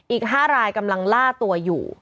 อีก๕รายกำลังล่าตัวอยู่